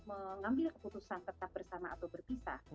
mengambil keputusan tetap bersama atau berpisah